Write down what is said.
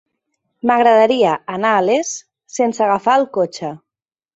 M'agradaria anar a Les sense agafar el cotxe.